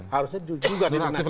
harusnya juga dinonaktifkan